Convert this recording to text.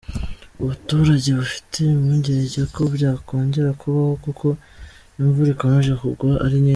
Abaturage bafite impungenge ko byakongera kubaho kuko imvura ikomeje kugwa ari nyinshi.